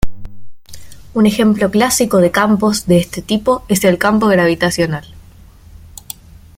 Un ejemplo clásico de campos de este tipo es el campo gravitacional.